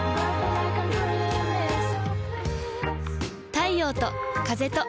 太陽と風と